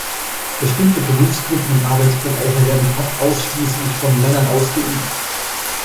Bestimmte Berufsgruppen und Arbeitsbereiche werden fast ausschließlich von Männern ausgeübt.